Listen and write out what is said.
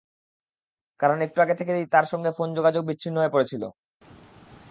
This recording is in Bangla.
কারণ, একটু আগে থেকেই তাঁর সঙ্গে ফোন যোগাযোগ বিচ্ছিন্ন হয়ে পড়েছিল।